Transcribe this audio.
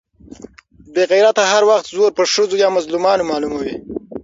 بې غيرته هر وخت زور پر ښځو يا مظلومانو معلوموي.